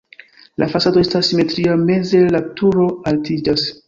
La fasado estas simetria, meze la turo altiĝas.